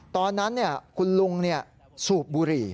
ตอนนั้นคุณลุงสูบบุหรี่